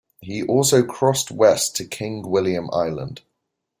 He also crossed west to King William Island.